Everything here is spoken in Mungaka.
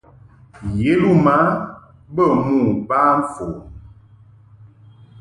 Yeluma bə mo ba fon.